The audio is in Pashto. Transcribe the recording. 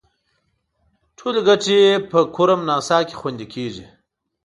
ټولې ګټې په کرم ناسا کې خوندي کیږي.